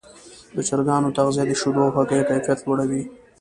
د چرګانو تغذیه د شیدو او هګیو کیفیت لوړوي.